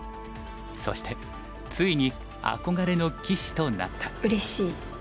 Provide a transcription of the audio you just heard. そしてついに憧れの棋士となった。